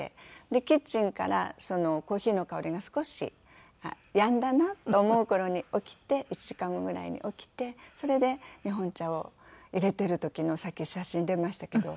でキッチンからコーヒーの香りが少しやんだなと思う頃に起きて１時間後ぐらいに起きてそれで日本茶をいれている時のさっき写真出ましたけど。